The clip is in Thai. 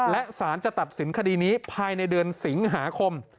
และสารจะตัดสินคดีนี้ภายในเดือนสิงหาคม